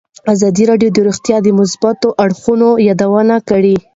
ازادي راډیو د روغتیا د مثبتو اړخونو یادونه کړې.